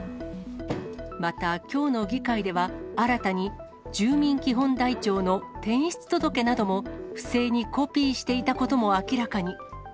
また、きょうの議会では新たに住民基本台帳の転出届なども、不正にコピーしていたことも明らかに。